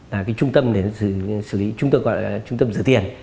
là trung tâm để xử lý chúng tôi gọi là trung tâm giữ tiền